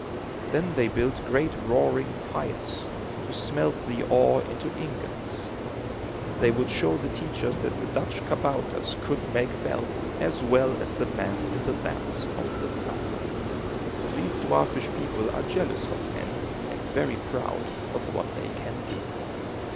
Then they built great roaring fires, to smelt the ore into ingots. They would show the teachers that the Dutch kabouters could make bells, as well as the men in the lands of the South. These dwarfish people are jealous of men and very proud of what they can do.